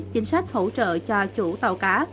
chính sách hỗ trợ cho chủ tàu cá